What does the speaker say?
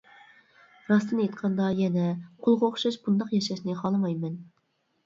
راستىنى ئېيتقاندا، يەنە قۇلغا ئوخشاش بۇنداق ياشاشنى خالىمايمەن.